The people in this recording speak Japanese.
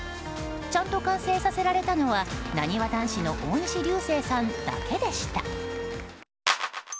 ちゃんと完成させられたのはなにわ男子の大西流星さんだけでした。